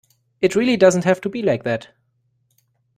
It really doesn't have to be like that